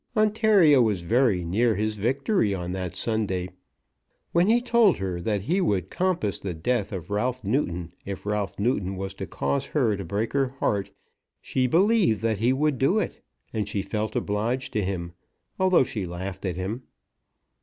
Ontario was very near his victory on that Sunday. When he told her that he would compass the death of Ralph Newton if Ralph Newton was to cause her to break her heart, she believed that he would do it, and she felt obliged to him, although she laughed at him.